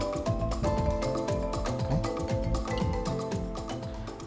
masukkan adonan tepung